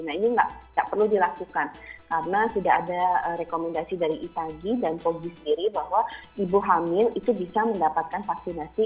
nah ini tidak perlu dilakukan karena sudah ada rekomendasi dari itagi dan pogi sendiri bahwa ibu hamil itu bisa mendapatkan vaksinasi